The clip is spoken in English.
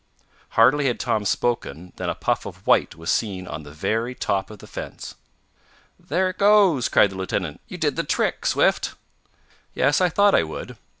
Hardly had Tom spoken than a puff of white was seen on the very top of the fence. "There it goes?" cried the lieutenant. "You did the trick, Swift!" "Yes, I thought I would.